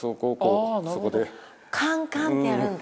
そこでカンカンってやるんだ